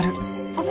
あっ。